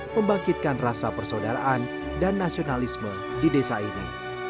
membangkitkan rasa persaudaraan dan nasionalisme di desa ini